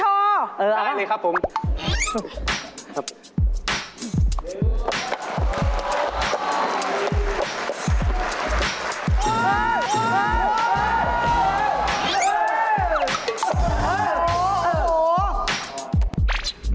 เออเลยครับผม